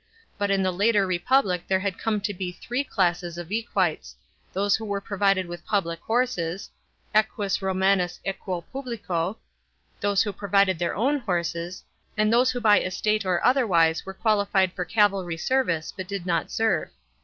But in the later Republic there had come to be three classes of equites ; those who were provided with public horses (eques Romanus equo publico), those who provided their own horses, and those who by estate or otherwise were qualified for cavalry service but did not serve.